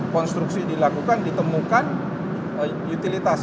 konstruksi dilakukan ditemukan utilitas